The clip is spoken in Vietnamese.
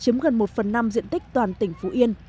chiếm gần một phần năm diện tích toàn tỉnh phú yên